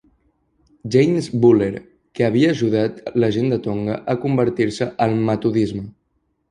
James Buller, que havia ajudat la gent de Tonga a convertir-se al metodisme.